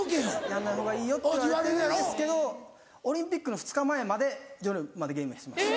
やんないほうがいいよって言われるんですけどオリンピックの２日前まで夜までゲームしてました。